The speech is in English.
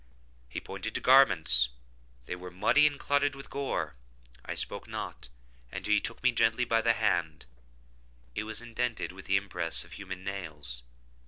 He pointed to garments;—they were muddy and clotted with gore. I spoke not, and he took me gently by the hand: it was indented with the impress of human nails.